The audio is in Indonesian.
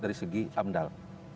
dari segi amdal